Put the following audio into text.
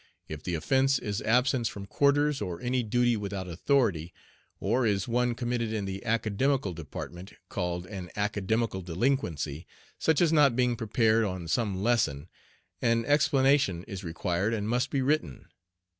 If the offence is absence from quarters or any duty without authority, or is one committed in the Academical Department, called an Academical Delinquency, such as not being prepared on some lesson, an explanation is required and must be written.